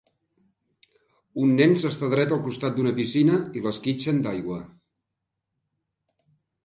Un nen s'està dret al costat d'una piscina i l'esquitxen d'aigua.